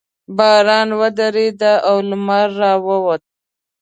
باران ودرېد او لمر راووت.